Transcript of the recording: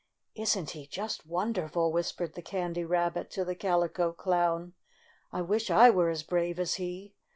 " Isn't he just wonderful!" whispered the Candy Rabbit to the Calico Clown. "I wish I were as brave as he!